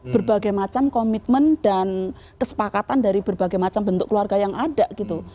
berbagai macam komitmen dan kesepakatan dari berbagai macam bentuk keluarga yang ada gitu